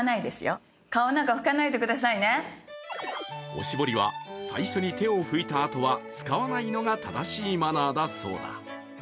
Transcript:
おしぼりは最初に手を拭いたあとは使わないのが正しいマナーだそうだ。